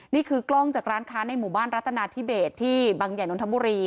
นี่คือกล้องจากร้านค้าในหมู่บ้านรัฐนาธิเบสที่บังใหญ่นนทบุรี